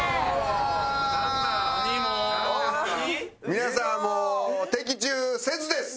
皆さんもう的中せずです。